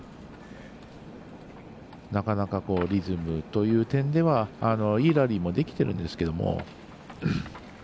なかなかリズムという点ではいいラリーもできてるんですけど。